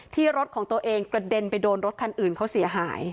รถของตัวเองกระเด็นไปโดนรถคันอื่นเขาเสียหาย